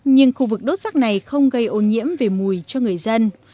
nhưng khu vực đốt rác này không gây ô nhiễm về mùi cho người dân